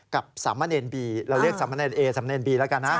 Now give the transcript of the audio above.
กับสามเมอร์เนอร์บีเราเรียกสามเมอร์เนอร์เอสามเมอร์เนอร์บีละกัน